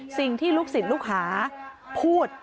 สิ่งที่ลูกศิษย์ลูกหาพูด